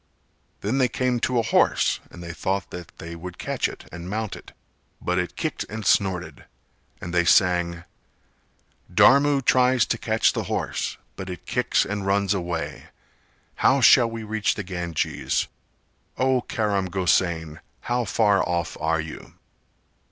Then they came to a horse and they thought that they would catch it and mount it, but it kicked and snorted; and they sang: "Dharmu tries to catch the horse: But it kicks and runs away. How shall we reach the Ganges? O Karam Gosain, how far off are you?"